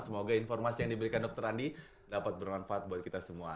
semoga informasi yang diberikan dokter andi dapat bermanfaat buat kita semua